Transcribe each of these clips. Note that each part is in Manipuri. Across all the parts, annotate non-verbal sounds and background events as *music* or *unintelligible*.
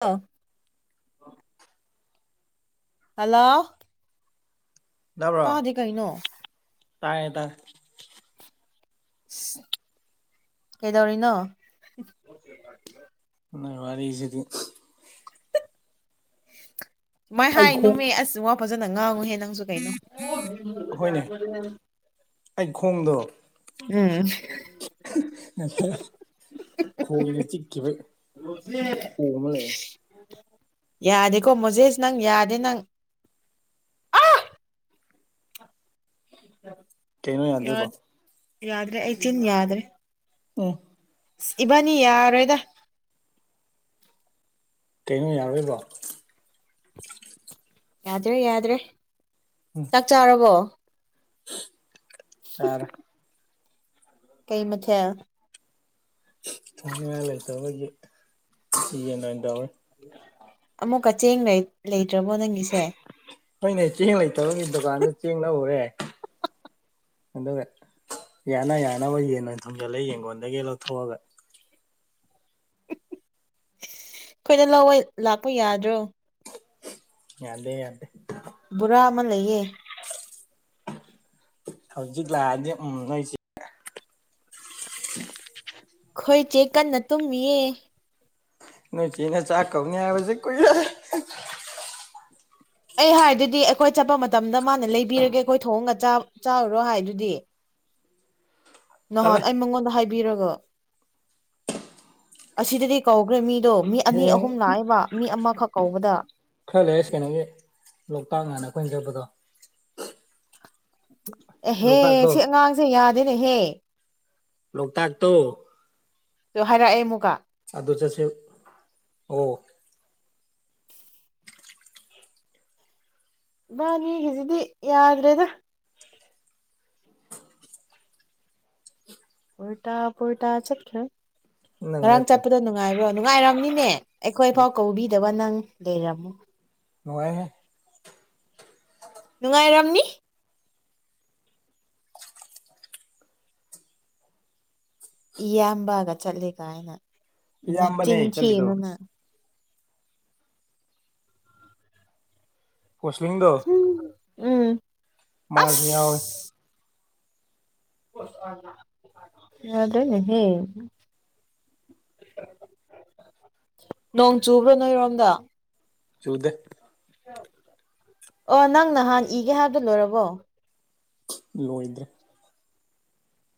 ꯑꯥ ꯍꯜꯂꯣ ꯌꯥꯕ꯭ꯔꯣ ꯇꯥꯗꯦ ꯀꯩꯅꯣ ꯇꯥꯥꯏꯦ ꯇꯥꯏꯦ ꯀꯩꯗꯧꯔꯤꯅꯣ ꯅ ꯋꯥꯔꯤꯔꯁꯤꯗꯤ ꯁꯨꯃꯥꯏ ꯑꯩ ꯍꯥꯏ ꯈꯣꯡ ꯅꯨꯃꯦ ꯑꯁ ꯋꯥ ꯐꯖꯅ ꯉꯥꯡꯉꯨꯍꯦ ꯅꯪꯁꯨ ꯀꯩꯅꯣ ꯑꯩꯈꯣꯡꯗꯣ ꯎꯝ ꯈꯣꯏꯅ ꯆꯤꯛꯈꯤꯕ ꯌꯥꯗꯦꯀꯣ ꯃꯣꯖꯦꯁ ꯅꯪ ꯌꯥꯗꯦ ꯅꯪ ꯀꯩꯅꯣ ꯌꯥꯗꯦꯕꯣ ꯌꯥꯠ ꯌꯥꯗ꯭ꯔꯦ ꯑꯩ ꯆꯤꯟ ꯌꯥꯗ꯭ꯔꯦ ꯑꯣ ꯏꯕꯅꯤ ꯌꯥꯔꯣꯏꯗ ꯀꯩꯅꯣ ꯌꯥꯔꯣꯏꯕꯣ ꯌꯥꯗ꯭ꯔꯦ ꯌꯥꯗ꯭ꯔꯦ ꯎꯝ ꯆꯥꯛ ꯆꯥꯔꯕꯣ ꯆꯥꯔꯦ ꯀꯩ ꯃꯊꯦꯜ ꯊꯣꯡꯅꯤꯡꯉꯥꯏ ꯂꯩꯇꯕꯒꯤ ꯌꯦꯟ ꯑꯣꯏꯅ ꯇꯧꯋꯤ ꯑꯃꯨꯛꯀ ꯆꯦꯡ ꯂꯩ ꯂꯩꯇ꯭ꯔꯕꯣ ꯅꯪꯒꯤꯁꯦ ꯍꯣꯏꯅꯦ ꯆꯦꯡ ꯂꯩꯇꯕꯒꯤ ꯗꯨꯀꯥꯟꯗ ꯆꯦꯡ ꯂꯧꯔꯨꯔꯦ ꯑꯗꯨꯒ ꯌꯥꯅ ꯌꯥꯅꯕ ꯌꯦꯟ ꯑꯣꯏꯅ ꯊꯣꯡꯖꯜꯂꯦ ꯌꯦꯡꯒꯣꯟꯗꯒꯤ ꯂꯧꯊꯣꯛꯑꯒ ꯑꯩꯈꯣꯏꯅ ꯂꯧꯋꯦ ꯂꯥꯛꯄ ꯌꯥꯗ꯭ꯔꯣ ꯌꯥꯗꯦ ꯌꯥꯗꯦ ꯕꯨꯔꯥ ꯑꯃ ꯂꯩꯌꯦ ꯍꯧꯖꯤꯛ ꯂꯥꯛꯑꯗꯤ ꯎꯝ ꯅꯣꯏ ꯆꯦ ꯈꯣꯏ ꯆꯦ ꯀꯟꯅ ꯇꯨꯝꯃꯤꯌꯦ ꯅꯣꯏ ꯆꯦꯅ ꯆꯥꯛ ꯀꯧꯅꯤ ꯍꯥꯏꯕꯖꯦ ꯀꯨꯏꯔꯦ ꯑꯩ ꯍꯥꯏꯗꯨꯗꯤ ꯑꯩꯈꯣꯏ ꯆꯠꯄ ꯃꯇꯝꯗ ꯃꯥꯅ ꯂꯩꯕꯤꯔꯒꯦ ꯑꯩꯈꯣꯏ ꯊꯣꯡꯉꯒ ꯆꯥ ꯆꯥꯎꯔꯣ ꯍꯥꯏꯗꯨꯗꯤ ꯇꯜꯂꯦ ꯅꯍꯥꯟ ꯑꯩ ꯃꯪꯉꯣꯟꯗ ꯍꯥꯏꯕꯤꯔꯒ ꯑꯁꯤꯗꯗꯤ ꯀꯧꯒ꯭ꯔꯦ ꯃꯤꯗꯣ ꯃꯤ ꯑꯅꯤ ꯑꯍꯨꯝ ꯍꯌꯦꯡ ꯂꯥꯛꯑꯦꯕ ꯃꯤ ꯑꯃꯈꯛ ꯀꯧꯕꯗ ꯈꯔ ꯂꯩꯔ ꯁꯦꯅꯕꯤ ꯂꯣꯛꯇꯥꯛ ꯉꯍꯥꯟ ꯑꯩꯈꯣꯏꯅ ꯂꯩꯔꯛꯄꯗꯣ ꯑꯦꯍꯦ ꯁꯤ ꯑꯉꯥꯡꯁꯦ ꯌꯥꯗꯦꯅꯦꯍꯦ ꯂꯣꯛꯇꯥꯛ ꯇꯣ ꯑꯗꯨ ꯍꯥꯏꯔꯛꯑꯦ ꯑꯃꯨꯛꯀ ꯑꯗꯨ ꯆꯠꯁꯦꯕ ꯑꯣ ꯏꯕꯅꯤꯒꯤꯖꯤꯗꯤ ꯌꯥꯗ꯭ꯔꯦꯗ ꯎ꯭ꯔꯇꯥ ꯄꯨꯔꯇꯥ ꯆꯠꯈ꯭ꯔꯦ ꯅꯪ ꯉꯔꯥꯡ ꯅꯠꯇ꯭ꯔꯣ ꯆꯠꯄꯗꯣ ꯅꯨꯡꯉꯥꯏꯕ꯭ꯔꯣ ꯅꯨꯡꯉꯥꯏꯔꯝꯅꯤꯅꯦ ꯑꯩꯈꯣꯏꯐꯥꯎ ꯀꯧꯕꯤꯗꯕ ꯅꯪ ꯂꯩꯔꯝꯃꯨ ꯅꯨꯡꯉꯥꯏꯍꯦ ꯅꯨꯡꯉꯥꯏꯔꯝꯅꯤ ꯏꯌꯥꯝꯕꯒ ꯆꯠꯂꯦ ꯀꯥꯏꯅ ꯏꯌꯥꯝꯕꯅꯦ ꯅꯆꯤꯟ ꯆꯠꯂꯤꯗꯣ ꯊꯤꯒꯅꯨ ꯅꯪ ꯀꯣꯁꯂꯤꯡꯗꯣ ꯎꯝ ꯃꯥꯖꯨ ꯑꯁ ꯌꯥꯎꯋꯤ ꯌꯥꯗ꯭ꯔꯦꯅꯦꯍꯦ ꯅꯣꯡ ꯆꯨꯕ꯭ꯔꯣ ꯅꯣꯏꯔꯣꯝꯗ ꯆꯨꯗꯦ ꯑꯣ ꯅꯪ ꯅꯍꯥꯟ ꯏꯒꯦ ꯍꯥꯏꯕꯗꯨ ꯂꯣꯏꯔꯕꯣ ꯂꯣꯏꯗ꯭ꯔꯦ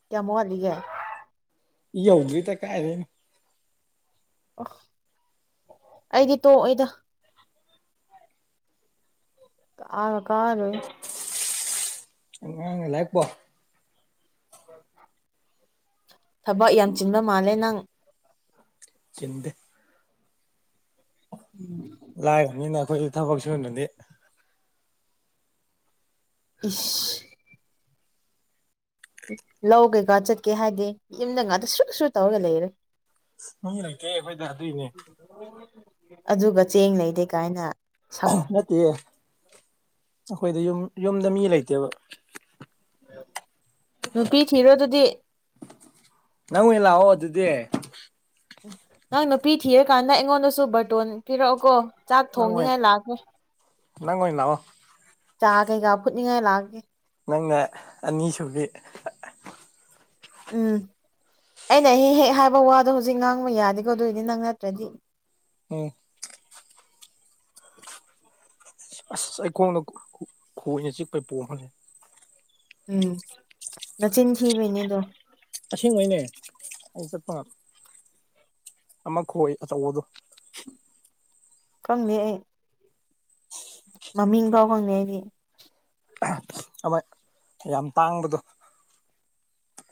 ꯀꯌꯥꯝ ꯃ꯭ꯋꯥꯠꯂꯤꯒꯦ ꯏꯌꯧꯗ꯭ꯔꯤꯗ ꯀꯥꯏꯗꯩꯅꯣ ꯑꯣ ꯑꯩꯗꯤ ꯇꯣꯛꯑꯣꯏꯗ ꯑ꯭ꯔꯒ ꯀꯥꯔꯣꯏꯌꯦ ꯑꯉꯥꯡꯅ ꯂꯥꯏꯔꯤꯛ ꯄꯥꯎ ꯊꯕꯛ ꯌꯥꯝ ꯆꯤꯟꯕ ꯃꯥꯜꯂꯦ ꯅꯪ ꯆꯤꯟꯗꯦ ꯎꯝ ꯂꯥꯏꯔꯕꯅꯤꯅ ꯑꯩꯈꯣꯏꯒꯤ ꯊꯕꯛ ꯁꯨꯅꯗꯤ ꯏꯁ ꯂꯧ ꯀꯩꯀꯥ ꯆꯠꯀꯦ ꯍꯥꯏꯗꯤ ꯌꯨꯝꯗ ꯉꯥꯛꯇ ꯁꯨꯔꯨ ꯁꯨꫪꯨ ꯇꯧꯔꯒ ꯂꯩꯔꯦ ꯃꯤ ꯂꯩꯇꯦ ꯑꯩꯈꯣꯏꯗ ꯑꯗꯨꯏꯅꯦ ꯑꯗꯨꯒ ꯆꯦꯡ ꯂꯩꯗꯦ ꯀꯥꯏꯅ ꯁꯛ ꯅꯠꯇꯤꯌꯦ ꯑꯩꯈꯣꯏꯗ ꯌꯨꯝ ꯌꯨꯝꯗ ꯃꯤ ꯂꯩꯇꯦꯕ ꯅꯨꯄꯤ ꯊꯤꯔꯣ ꯑꯗꯨꯗꯤ ꯅꯪ ꯑꯣꯏꯅ ꯂꯥꯛꯑꫭ ꯑꯗꯨꯗꯤ ꯅꯪ ꯅꯨꯄꯤ ꯊꯤꯔꯀꯥꯟꯗ ꯑꯩꯉꯣꯟꯗꯁꯨ ꯕꯇꯣꯟ ꯄꯤꯔꯛꯑꯣꯀꯣ ꯆꯥꯛ ꯅꯪ ꯑꯣꯏꯅ ꯊꯣꯡꯅꯤꯡꯉꯥꯏ ꯂꯥꯛꯀꯦ ꯅꯪ ꯑꯣꯏꯅ ꯂꯥꯛꯑꯣ ꯆꯥ ꯀꯩꯀꯥ ꯐꯨꯠꯅꯤꯡꯉꯥꯏ ꯂꯥꯛꯒꯦ ꯅꯪꯅ ꯑꯅꯤꯁꯨꯕꯤ ꯎꯝ ꯑꯩꯅ ꯍꯦꯛ ꯍꯦꯛ ꯍꯥꯏꯕ ꯋꯥꯗꯣ ꯍꯧꯖꯤꯛ ꯉꯥꯡꯕ ꯌꯥꯗꯦꯀꯣ ꯑꯗꯨꯑꯣꯏꯗꯤ ꯅꯪ ꯅꯠꯇ꯭ꯔꯗꯤ ꯎꯝ ꯑꯁ ꯑꯩꯈꯣꯡꯅ ꯈꯣꯏꯅ ꯆꯤꯛꯄꯩ ꯄꯣꯝꯈꯠꯂꯦ ꯎꯝ ꯅꯆꯤꯟ ꯊꯤꯕꯩꯅꯤꯗꯣ ꯑꯁꯦꯡꯕꯩꯅꯦ ꯑꯩ ꯆꯠꯄ ꯑꯃꯈꯣꯏ ꯑꯆꯧꯕꯗꯣ ꯈꯪꯗꯦ ꯑꯩ ꯃꯃꯤꯡ ꯐꯥꯎ ꯈꯪꯗꯦ ꯑꯩꯗꯤ ꯑꯃ ꯌꯥꯝ ꯇꯥꯡꯕꯗꯣ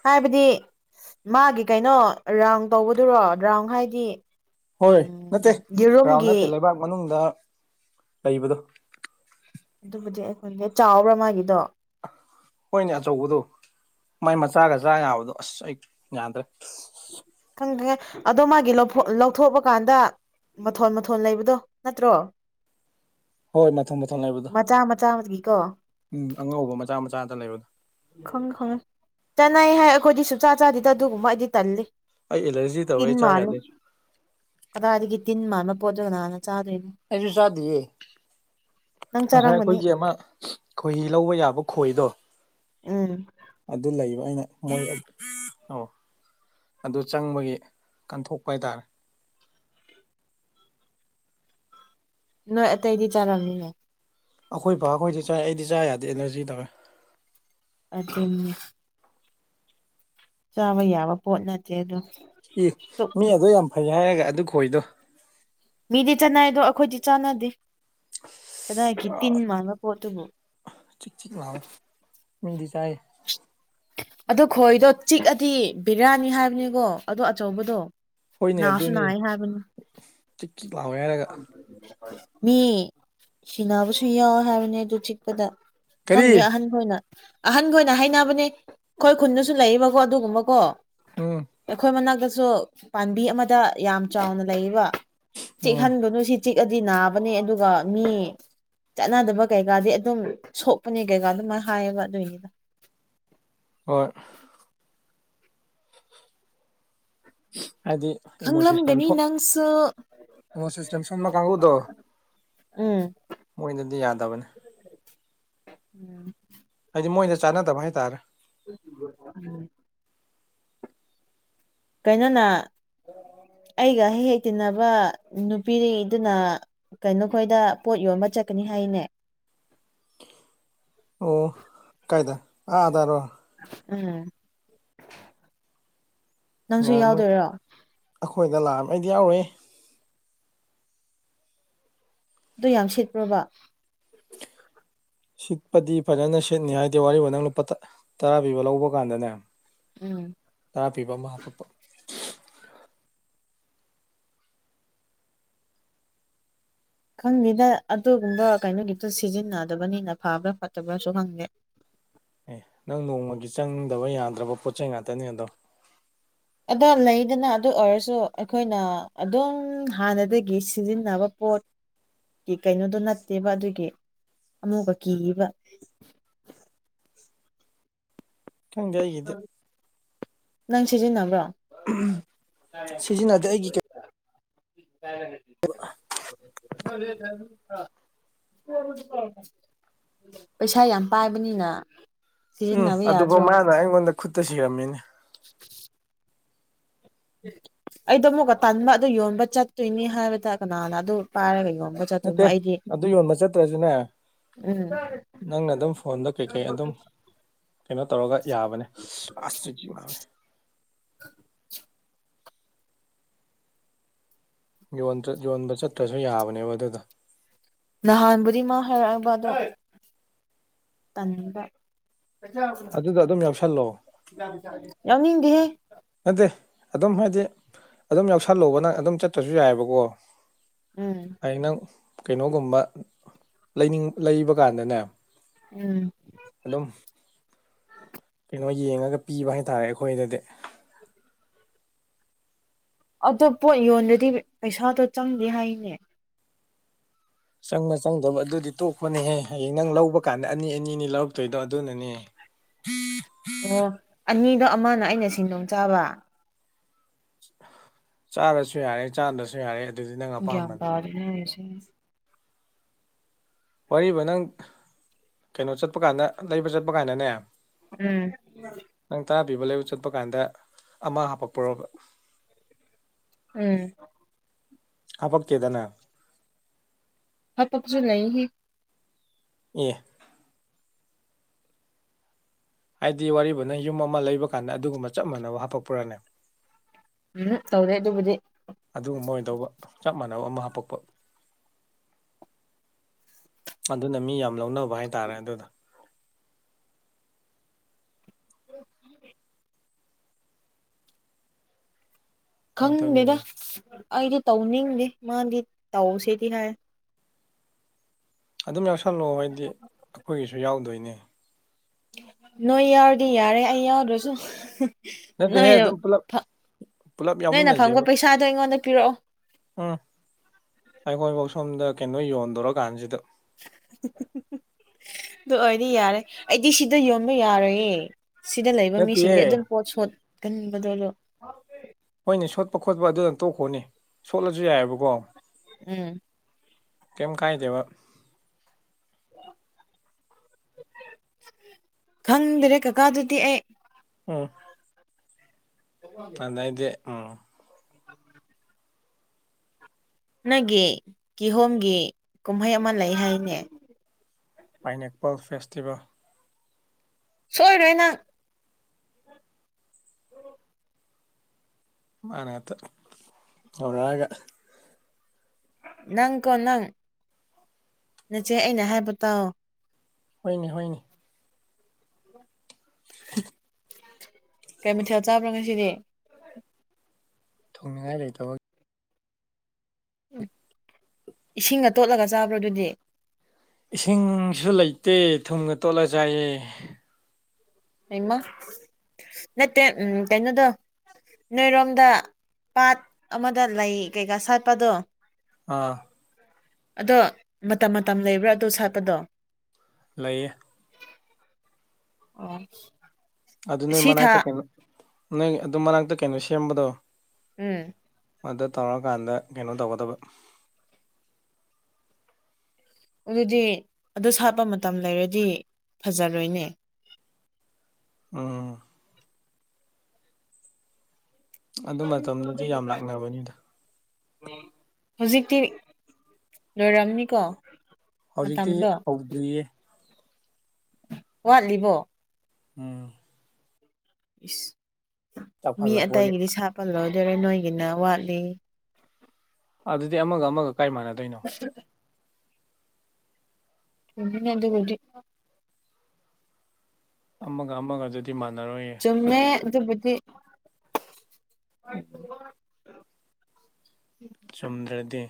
ꯍꯥꯏꯕꯗꯤ ꯃꯥꯒꯤ ꯀꯩꯅꯣ ꯔꯥꯎꯟ ꯇꯧꯕꯗꯨꯔꯣ ꯔꯥꯎꯟ ꯍꯥꯏꯗꯤ ꯍꯣꯏ ꯎꯝ ꯅꯠꯇꯦ ꯔꯥꯎ ꯌꯦꯔꯨꯝꯒꯤ ꯅꯠꯇꯦ ꯂꯩꯕꯥꯛ ꯃꯅꯨꯡꯗ ꯂꯩꯕꯗꯣ ꯑꯗꯨꯕꯨꯗꯤ ꯑꯩꯈꯣꯏꯅꯦ ꯆꯥꯎꯕ꯭ꯔꯥ ꯃꯥꯒꯤꯗꯣ ꯍꯣꯏꯅꯦ ꯑꯆꯧꯕꯗꯣ ꯃꯥꯏ ꯃꯆꯥꯒ ꯆꯥ ꯌꯥꯕꯗꯣ ꯑꯁ ꯑꯩ ꯌꯥꯗ꯭ꯔꯦ ꯈꯪꯉꯦ ꯈꯪꯉꯦ ꯑꯗꯣ ꯃꯥꯒꯤ ꯂꯧꯊꯣꯛꯄ ꯀꯥꯟꯗ ꯃꯊꯣꯟ ꯃꯊꯣꯟ ꯂꯩꯕꯗꯣ ꯅꯠꯇ꯭ꯔꯣ ꯍꯣꯏ ꯃꯊꯣꯟ ꯃꯊꯣꯟ ꯂꯩꯕꯗꯣ ꯃꯆꯥ ꯃꯆꯥꯒꯤꯀꯣ ꯎꯝ ꯑꯉꯧꯕ ꯃꯆꯥ ꯃꯆꯥꯒ ꯂꯩꯕꯗꯣ ꯈꯪꯉꯤ ꯈꯪꯉꯤ ꯆꯠꯅꯩ ꯍꯥꯏ ꯑꯩꯈꯣꯏꯗꯤ ꯁꯨꯡꯆꯥ ꯆꯥꯗꯤꯗ ꯑꯗꯨꯒꯨꯝꯕ ꯑꯩꯗꯤ ꯇꯜꯂꯤ ꯑꯩ ꯑꯦꯂꯔꯖꯤ ꯇꯤꯟ ꯇꯧꯋꯦ ꯆꯥ ꯃꯥꯜꯂꯤ ꯌꯥꯗꯦ ꯀꯗꯥꯏꯗꯒꯤ ꯇꯤꯟ ꯃꯥꯟꯕ ꯄꯣꯠꯇꯣꯏꯅ ꯀꯥꯅꯅ ꯆꯥꯗꯣꯏꯅꯣ ꯑꯩꯖꯨ ꯆꯥꯗꯤꯌꯦ ꯅꯪ ꯉꯁꯥꯏ ꯆꯥꯔꯝꯒꯅꯤ ꯑꯩꯈꯣꯏꯒꯤ ꯑꯃ ꯈꯣꯏꯍꯤ ꯂꯧꯕ ꯌꯥꯕ ꯈꯣꯏꯗꯣ ꯎꯝ ꯑꯗꯨ ꯂꯩꯕ ꯑꯩꯅ ꯃꯣꯏ ꯑꯗꯨ ꯆꯪꯕꯒꯤ ꯀꯟꯊꯣꯛꯄ ꯍꯥꯏꯇꯥꯔꯦ ꯅꯣꯏ ꯑꯇꯩꯗꯤ ꯆꯥꯔꯝꯅꯤꯅꯦ ꯑꯩꯈꯣꯏꯕꯥꯈꯣꯏꯗꯤ ꯆꯥꯏ ꯑꯩꯗꯤ ꯆꯥ ꯌꯥꯗꯦ ꯑꯦꯂꯔꯖꯤ ꯇꯧꯋꯦ ꯑꯗꯨꯝ ꯆꯥꯕ ꯌꯥꯕ ꯄꯣꯠ ꯅꯠꯇꯦꯗꯣ ꯏ ꯃꯤ ꯑꯗꯨ ꯌꯥꯝ ꯐꯩ ꯍꯥꯏꯔꯒ ꯑꯗꯨ ꯈꯣꯏꯗꯣ ꯃꯤꯗꯤ ꯆꯥꯟꯅꯩ ꯑꯗꯣ ꯑꯩꯈꯣꯏꯗꯤ ꯆꯥꯟꯅꯗꯦ ꯀꯗꯥꯏꯒꯤ ꯑꯥ ꯇꯤꯟ ꯃꯥꯟꯕ ꯄꯣꯠꯇꯨꯕꯨ ꯆꯤꯛ ꯆꯤꯛ ꯂꯥꯎꯑꯣ ꯃꯤꯗꯤ ꯆꯥꯢ ꯑꯗꯣ ꯈꯣꯏꯗꯣ ꯆꯤꯛꯑꯗꯤ ꯕꯤꯔꯥꯅꯤ ꯍꯥꯏꯕꯅꯤꯀꯣ ꯑꯗꯣ ꯑꯆꯧꯕꯗꯣ ꯍꯣꯏꯅꯦ ꯅꯥꯁꯨ ꯑꯗꯨꯅꯤ ꯅꯥꯏ ꯍꯥꯏꯕꯅꯤ ꯆꯤꯛ ꯆꯤꯛ ꯂꯥꯎꯑꯦ ꯍꯥꯏꯔꯒ ꯃꯤ ꯁꯤꯅꯕꯁꯨ ꯌꯥꯎꯑꯦ ꯍꯥꯏꯕꯅꯤ ꯑꯗꯨ ꯆꯤꯛꯄꯗ ꯈꯪꯗꯦ ꯀꯔꯤ ꯑꯍꯟ ꯈꯣꯏꯅ ꯑꯍꯟꯈꯣꯢꯅ ꯍꯥꯏꯅꯕꯅꯦ ꯈꯣꯏ ꯈꯨꯟꯗꯁꯨ ꯂꯩꯌꯦꯕꯀꯣ ꯑꯗꯨꯒꯨꯝꯕ ꯀꯣ ꯎꯝ ꯑꯩꯈꯣꯏ ꯃꯅꯥꯛꯇꯁꯨ ꯄꯥꯟꯕꯤ ꯑꯃꯗ ꯌꯥꯝ ꯆꯥꯎꯅ ꯂꯩꯌꯦꯕ ꯎꯝ ꯆꯤꯛꯍꯟꯒꯅꯨ ꯁꯤ ꯆꯤꯛꯑꯗꯤ ꯅꯥꯕꯅꯦ ꯑꯗꯨꯒ ꯃꯤ ꯆꯥꯟꯅꯗꯕ ꯀꯩꯀꯥꯗꯤ ꯑꯗꯨꯝ ꯁꯣꯛꯄꯅꯦ ꯀꯩꯀꯥ ꯑꯗꯨꯃꯥꯏ ꯍꯥꯏꯌꯦꯕ ꯑꯗꯨꯏꯅꯤꯗ ꯍꯣꯢ ꯍꯥꯏꯗꯤ ꯏꯃꯣꯟ ꯁꯤꯁꯇꯦꯝ ꯈꯪꯂꯝꯒꯅꯤ ꯁꯣ ꯅꯪꯁꯨ ꯏꯃꯣꯟ ꯁꯤꯁꯇꯦꯝ ꯁꯣꯟꯕ ꯀꯥꯡꯒꯨꯗꯣ ꯎꯝ ꯃꯣꯏꯅꯗꯤ ꯌꯥꯗꯕꯅꯦ ꯎꯝ *unintelligible* ꯍꯥꯏꯗꯤ ꯃꯣꯏꯗ ꯆꯥꯟꯅꯗꯕ ꯍꯥꯏꯇꯥꯔꯦ ꯎꯝ *unintelligible* ꯀꯩꯅꯣꯅ ꯑꯩꯒ ꯍꯦ ꯍꯦꯛ ꯇꯤꯟꯅꯕ ꯅꯨꯄꯤꯔꯤꯗꯨꯅ ꯀꯩꯅꯣꯈꯣꯏꯗ ꯄꯣꯠ ꯌꯣꯟꯕ ꯆꯠꯀꯅꯤ ꯍꯥꯏꯅꯦ ꯑꯣ ꯀꯥꯏꯗ ꯑꯥꯗꯔꯣ ꯎꯝ ꯅꯪꯁꯨ ꯉꯍꯥꯟ ꯃꯣꯏ ꯌꯥꯎꯗꯣꯏꯔꯣ ꯑꯩꯈꯣꯏꯗ ꯂꯥꯛꯑꯝ ꯑꯩꯗꯤ ꯌꯥꯎꯔꯣꯢꯑꯦ ꯑꯗꯨ ꯌꯥꯝ ꯁꯤꯠꯄ꯭ꯔꯣꯕ ꯁꯤꯠꯄꯗꯤ ꯐꯖꯅ ꯁꯤꯠꯅꯤ ꯍꯥꯏꯗꯤ ꯋꯥꯔꯤ ꯋꯥ ꯅꯪ ꯂꯨꯄꯥ ꯇ ꯇꯔꯥ ꯄꯤꯕ ꯂꯧꯕ ꯀꯥꯟꯗꯅꯦ ꯎꯝ ꯇꯔꯥ ꯄꯤꯕ ꯑꯃ ꯍꯥꯞꯄꯛꯄ ꯈꯪꯗꯦꯗ ꯑꯗꯨꯒꯨꯝꯕ ꯀꯩꯅꯣꯒꯤꯇꯣ ꯁꯤꯖꯤꯟꯅꯗꯕꯅꯤꯅ ꯐꯕ꯭ꯔꯥ ꯐꯠꯇꯕ꯭ꯔꯥꯁꯨ ꯈꯪꯗꯦ ꯑꯦ ꯅꯪ ꯅꯣꯡꯃꯒꯤ ꯆꯪꯗꯕ ꯌꯥꯗ꯭ꯔꯕ ꯄꯣꯠꯆꯩ ꯉꯥꯇꯅꯦ ꯑꯗꯣ ꯑꯗꯣ ꯂꯩꯗꯅ ꯑꯗꯨ ꯑꯣꯏꯔꯁꯨ ꯑꯩꯈꯣꯏꯅ ꯑꯗꯨꯝ ꯍꯥꯟꯅꯗꯒꯤ ꯁꯤꯖꯤꯟꯅꯕ ꯄꯣꯠ ꯀꯤ ꯀꯩꯅꯣꯗꯨ ꯅꯠꯇꯦꯕ ꯑꯗꯨꯒꯤ ꯑꯃꯨꯛꯀ ꯀꯤꯌꯦꯕ ꯈꯪꯗꯦ ꯑꯩꯒꯤꯗꯤ ꯅꯪ ꯁꯤꯖꯤꯟꯅꯕ꯭ꯔꯣ ꯎꯝꯍꯨꯝ ꯁꯤꯖꯤꯟꯅꯗꯦ ꯑꯩꯒꯤ ꯀ *inaudible* ꯄꯩꯁꯥ ꯌꯥꯝ ꯄꯥꯏꯕꯅꯤꯅ ꯎꯝ ꯁꯤꯖꯤꯟꯅꯕ ꯑꯗꯨꯕꯧ ꯌꯥꯗ꯭ꯔꯣ ꯃꯥꯅ ꯑꯩꯉꯣꯟꯗ ꯈꯨꯠꯇ ꯁꯤꯔꯝꯃꯤꯅꯦ *inaudible* ꯑꯩꯗꯣ ꯑꯃꯨꯛꯀ ꯇꯟꯕ ꯑꯗꯨ ꯌꯣꯟꯕ ꯆꯠꯇꯣꯏꯅꯤ ꯍꯥꯏꯕꯗ ꯀꯅꯥꯅ ꯑꯗꯨ ꯄꯥꯏꯔꯒ ꯌꯣꯟꯕ ꯆꯠꯇꯣꯏꯅꯣ ꯅꯠꯇꯦ ꯑꯩꯗꯤ ꯑꯗꯨ ꯌꯣꯟꯕ ꯆꯠꯇ꯭ꯔꯖꯨꯅꯦ ꯎꯝ ꯅꯪꯅ ꯑꯗꯨꯝ ꯐꯣꯟꯗ ꯀꯩꯀꯩ ꯑꯗꯨꯝ ꯀꯩꯅꯣ ꯇꯧꯔꯒ ꯌꯥꯕꯅꯦ ꯑꯁ ꯆꯤꯛ ꯆꯤꯛ ꯂꯥꯎꯑꯦ *inaudible* ꯌꯣꯟꯗ꯭ꯔ ꯌꯣꯟꯕ ꯆꯠꯇ꯭ꯔꯖꯨ ꯌꯥꯕꯅꯦꯕ ꯑꯗꯨꯗꯣ ꯅꯍꯥꯟꯕꯨꯗꯤ ꯃꯥ ꯍꯥꯏꯔꯛꯑꯦꯕ ꯑꯗꯣ ꯇꯟꯕ ꯑꯗꯨꯗꯣ ꯑꯗꯨꯝ ꯌꯥꯎꯁꯜꯂꯣ *unintelligible* ꯌꯥꯎꯅꯤꯡꯗꯦꯍꯦ ꯅꯠꯇꯦ ꯑꯗꯨꯝ ꯍꯥꯏꯗꯤ ꯑꯗꯨꯝ ꯌꯥꯎꯁꯜꯂꯣꯕ ꯅꯪ ꯑꯗꯨꯝ ꯆꯠꯇ꯭ꯔꯁꯨ ꯌꯥꯏꯑꯦꯕꯀꯣ ꯎꯝ ꯍꯌꯦꯡ ꯅꯪ ꯀꯩꯅꯣꯒꯨꯝꯕ ꯂꯩꯅꯤꯡ ꯂꯩꯕ ꯀꯥꯟꯗꯅꯦ ꯎꯝ ꯑꯗꯨꯝ ꯀꯩꯅꯣ ꯌꯦꯡꯉꯒ ꯄꯤꯕ ꯍꯥꯏꯇꯥꯔꯦ ꯑꯩꯈꯣꯏꯗꯗꯤ ꯑꯗꯨ ꯄꯣꯠ ꯌꯣꯟꯗꯗꯤ ꯄꯩꯁꯥꯗꯣ ꯆꯪꯗꯦ ꯍꯥꯏꯅꯦ ꯆꯪꯕ ꯆꯪꯗꯕ ꯑꯗꯨꯗꯤ ꯇꯣꯛꯄꯅꯦꯍꯦ ꯍꯌꯦꯡ ꯅꯪ ꯂꯧꯕ ꯀꯥꯟꯗ ꯑꯅꯤ ꯑꯅꯤ ꯑꯅꯤ ꯂꯧꯔꯛꯇꯣꯏꯗꯣ ꯑꯗꯨꯅꯅꯦ ꯑꯣ ꯑꯅꯤꯗꯣ ꯑꯃꯅ ꯑꯩꯅ ꯁꯤꯁꯤꯡꯗꯣꯡ ꯆꯥꯕ ꯆꯥꯔꯁꯨ ꯌꯥꯔꯦ ꯆꯥꯗ꯭ꯔꯁꯨ ꯌꯥꯔꯦ ꯑꯗꯨꯗꯤ ꯅꯪ ꯒ꯭ꯌꯜ ꯑꯄꯥꯝꯕꯅꯤ ꯇꯗꯦꯅꯦ *unintelligible* ꯋꯥꯔꯤꯕ ꯅꯪ ꯀꯩꯅꯣ ꯆꯠꯄ ꯀꯥꯟꯗ ꯂꯩꯕ ꯆꯠꯄ ꯀꯥꯟꯗꯅꯦ ꯎꯝ ꯅꯪ ꯇꯔꯥ ꯄꯤꯕ ꯂꯩꯕ ꯆꯠꯄ ꯀꯥꯟꯗ ꯑꯃ ꯍꯥꯞꯄꯛꯄꯣꯔꯣꯕ ꯎꯝ ꯍꯥꯄꯛꯇꯦꯗꯅ ꯊꯕꯛꯁꯨ ꯂꯩꯍꯤ ꯌꯦ ꯍꯥꯏꯗꯤ ꯋꯥꯔꯤꯕꯅ ꯌꯨꯝ ꯑꯃ ꯂꯩꯕ ꯀꯥꯟꯗ ꯑꯗꯨꯒꯨꯝꯕ ꯆꯞ ꯃꯥꯟꯅꯕ ꯍꯥꯄꯛꯄꯔꯅꯦ ꯎꯝ ꯇꯧꯔꯦ ꯑꯗꯨꯕꯨꯗꯤ ꯑꯗꯨꯒꯨꯝꯕ ꯑꯣꯏꯅ ꯇꯧꯕ ꯆꯞ ꯃꯥꯟꯅꯕ ꯑꯃ ꯍꯥꯞꯄꯛꯄ ꯑꯗꯨꯅ ꯃꯤ ꯌꯥꯝ ꯂꯧꯅꯕ ꯍꯥꯏꯇꯥꯔꯦ ꯑꯗꯨꯗ ꯈꯪꯗꯦꯗ ꯑꯗꯨꯒꯤꯅꯤ ꯑꯩꯗꯤ ꯇꯧꯅꯤꯡꯗꯦ ꯃꯥꯗꯤ ꯇꯧꯁꯤꯗꯤ ꯍꯥꯏ ꯑꯗꯨꯝ ꯌꯥꯎꯁꯜꯂꯛꯑꯣ ꯍꯥꯏꯗꯤ ꯑꯩꯈꯣꯏꯒꯤꯁꯨ ꯌꯥꯎꯗꯣꯏꯅꯦ ꯅꯣꯏ ꯌꯥꯎꯔꯗꯤ ꯌꯥꯔꯦ ꯑꯩ ꯌꯥꯎꯗ꯭ꯔꯁꯨ ꯅꯠꯇꯦꯍꯦ ꯅꯣꯏꯅ ꯑꯗꯨꯝ ꯄꯨꯂꯞ ꯄꯨꯂꯞ ꯅꯣꯏꯅ ꯐꯪꯕ ꯌꯥꯎꯃꯤꯟꯅꯁꯦꯕ ꯄꯩꯁꯥꯗꯣ ꯑꯩꯉꯣꯟꯗ ꯄꯤꯔꯛꯑꯣ ꯎꯝ ꯑꯩꯈꯣꯏꯐꯧ ꯁꯣꯝꯗ ꯀꯩꯅꯣ ꯌꯣꯟꯗꯣꯔꯀꯥꯟꯁꯤꯗ ꯑꯗꯨ ꯑꯣꯏꯔꯗꯤ ꯌꯥꯔꯦ ꯑꯩꯗꯤ ꯁꯤꯗ ꯌꯣꯟꯕ ꯌꯥꯔꯣꯏꯌꯦ ꯁꯤꯗ ꯂꯩꯕ ꯃꯤꯁꯤꯡꯗꯤ ꯅꯠꯇꯦꯌꯦ ꯑꯗꯨꯝ ꯄꯣꯠ ꯁꯣꯠꯀꯟꯕꯗꯣ ꯍꯣꯏꯅꯦ ꯁꯣꯠꯄ ꯈꯣꯠꯄ ꯑꯗꯨꯗ ꯇꯣꯛꯈꯣꯅꯦ ꯁꯣꯠꯂꯁꯨ ꯌꯥꯏꯑꯕꯀꯣ ꯎꯝ ꯀꯦꯝ ꯀꯥꯏꯗꯦꯕ ꯈꯪꯗ꯭ꯔꯦ ꯀꯀꯥꯗꯨꯗꯤ ꯑꯩ ꯎꯝ ꯑꯗꯥꯏꯗꯦ ꯎꯝ *inaudible* ꯅꯪꯒꯤ ꯀꯤꯍꯣꯝꯒꯤ ꯀꯨꯝꯍꯩ ꯑꯃ ꯂꯩ ꯍꯥꯏꯅꯦ ꯑꯥꯏꯅꯦꯛꯛꯄꯜ ꯐꯦꯁꯇꯤꯚꯦꯜ ꯁꯣꯏꯔꯦꯅꯥ ꯃꯥꯅꯦꯠꯇ ꯍꯒ ꯅꯪ ꯀꯣ ꯅꯪ ꯅꯆꯦ ꯑꯩꯅ ꯍꯥꯏꯕ ꯇꯥꯎꯑꯣ ꯍꯣꯏꯅꯦ ꯍꯣꯏꯅꯦ ꯀꯩ ꯃꯊꯦꯜ ꯆꯥꯕ꯭ꯔꯥꯣ ꯉꯁꯤꯗꯤ ꯊꯣꯡꯅꯤꯡꯉꯥꯏ ꯂꯩꯇꯕ ꯎ ꯏꯁꯤꯡꯅ ꯇꯣꯠꯂꯒ ꯆꯥꯕ꯭ꯔꯣ ꯑꯗꯨꯗꯤ ꯏꯁꯤꯡꯁꯨ ꯂꯩꯇꯦ ꯊꯨꯝꯒ ꯇꯣꯠꯂ ꯆꯥꯏꯌꯦ ꯏꯃ ꯅꯠꯇ ꯎ ꯇꯩꯅꯣꯗꯣ ꯅꯣꯏꯔꯣꯝꯗ ꯄꯥꯠ ꯑꯃꯗ ꯂꯩ ꯀꯩꯀꯥ ꯁꯥꯠꯄꯗꯣ ꯑꯥ ꯑꯗꯣ ꯃꯇꯝ ꯃꯇꯝ ꯂꯩꯕ꯭ꯔꯥ ꯑꯗꯣ ꯁꯥꯠꯄꯗꯣ ꯂꯩꯌꯦ ꯑꯣ ꯑꯗꯨ ꯅꯣꯏ ꯁꯤ ꯊꯥ ꯃꯅꯥꯛꯇ ꯀꯩꯅꯣ ꯅꯣꯏ ꯑꯗꯨ ꯃꯅꯥꯛꯇ ꯀꯩꯅꯣ ꯁꯦꯝꯕꯗꯣ ꯎꯝ ꯃꯗ ꯇꯧꯔꯀꯥꯟꯗ ꯀꯩꯅꯣ ꯇꯧꯒꯗꯕ ꯑꯗꯨꯗꯤ ꯑꯗꯨ ꯁꯥꯠꯄ ꯃꯇꯝ ꯂꯩꯔꯗꯤ ꯐꯖꯔꯣꯏꯅꯦ ꯎꯝ ꯑꯗꯨ ꯃꯇꯝꯗꯨꯗꯤ ꯌꯥꯝ ꯂꯥꯛꯅꯕꯅꯤꯗ ꯍꯧꯖꯤꯛꯇꯤ ꯂꯣꯏꯔꯝꯅꯤꯀꯣ ꯍꯧꯖꯤꯛꯇꯤ ꯃꯇꯝꯗꯣ ꯍꯧꯗ꯭ꯔꯤꯌꯦ ꯋꯥꯠꯂꯤꯕꯣ ꯎꯝ ꯏꯁ ꯃꯤ ꯆꯥꯎꯈꯠꯂꯛꯄꯒꯤ ꯑꯇꯩꯒꯤꯗꯤ ꯁꯥꯄꯂꯣꯏꯗꯣꯏꯔꯦ ꯅꯣꯏꯒꯤꯅ ꯋꯥꯠꯂꯤ ꯑꯗꯨꯗꯤ ꯑꯃꯒ ꯑꯃꯒ ꯀꯥꯏ ꯃꯥꯟꯅꯗꯣꯏꯅꯣ *unintelligible* ꯑꯗꯨꯒꯗꯤ ꯑꯃꯒ ꯑꯃꯒ ꯑꯗꯨꯗꯤ ꯃꯥꯟꯅꯔꯣꯏꯌꯦ ꯆꯨꯃꯃꯦ ꯑꯗꯨꯕꯨꯗꯤ ꯆꯨꯝꯗ꯭ꯔꯗꯤ